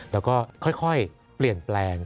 แล้วก็ค่อยเปลี่ยนแปลง